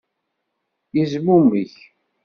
Yezmumeg.